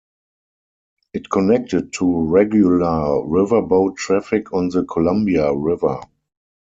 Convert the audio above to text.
It connected to regular riverboat traffic on the Columbia River.